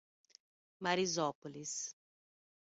Marizópolis